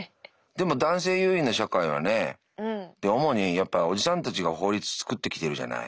でも男性優位な社会はね主にやっぱおじさんたちが法律作ってきてるじゃない。